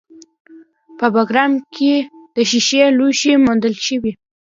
په بګرام کې د ښیښې لوښي موندل شوي